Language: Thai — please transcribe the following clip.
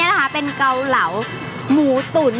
เพราะว่าผักหวานจะสามารถทำออกมาเป็นเมนูอะไรได้บ้าง